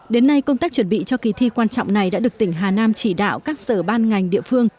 đến nay công tác chuẩn bị cho kỳ thi quan trọng này đã được tỉnh hà nam chỉ đạo các sở ban ngành địa phương